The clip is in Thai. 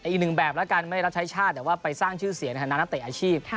อีกหนึ่งแบบแล้วกันไม่รับใช้ชาติแต่ว่าไปสร้างชื่อเสียงในฐานะนักเตะอาชีพ